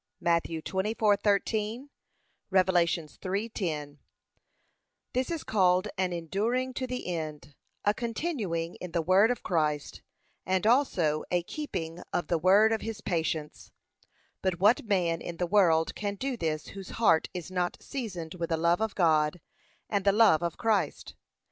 (Matt. 24:13; Rev. 3:10) This is called an enduring to the end, a continuing in the word of Christ and also a keeping of the word of his patience. But what man in the world can do this whose heart is not seasoned with the love of God and the love of Christ?